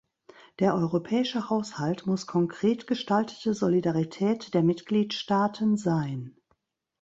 Der europäische Haushalt muss konkret gestaltete Solidarität der Mitgliedstaaten sein.